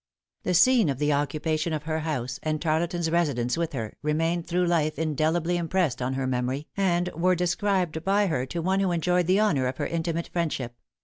The scene of the occupation of her house, and Tarleton's residence with her, remained through life indelibly impressed on her memory, and were described by her to one who enjoyed the honor of her intimate friendship.